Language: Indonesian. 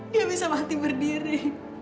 dia bisa mati berdiri